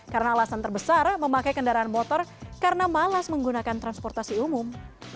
karena alasan terbesar memakai kendaraan motor karena malas menggunakan transportasi umum